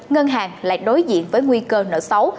ngân hàng lại đối diện với nguy cơ nợ xấu